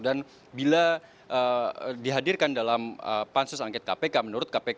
dan bila dihadirkan dalam pansus angket kpk menurutku